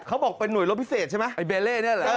เขาบอกเป็นหน่วยรบพิเศษใช่ไหมไอเบเล่นี่แหละ